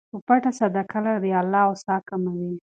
په پټه صدقه د الله غصه کموي.